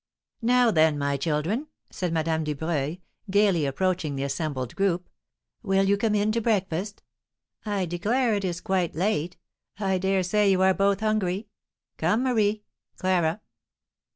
"Now, then, my children," said Madame Dubreuil, gaily approaching the assembled group, "will you come in to breakfast? I declare it is quite late! I dare say you are both hungry? Come, Marie! Clara!"